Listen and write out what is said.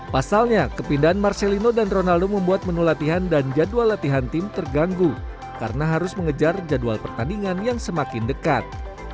pasalnya kepindahan marcelino dan ronaldo membuat menu latihan dan jadwal latihan tim terganggu karena harus mengejar jadwal pertandingan yang semakin dekat